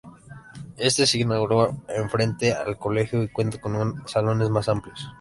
Este se inauguró en frente al colegio, y cuenta con aun salones más amplios.